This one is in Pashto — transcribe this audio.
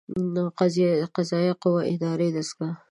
د قضائیه قوې اداري دستګاه